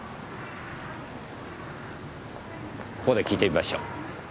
ここで聞いてみましょう。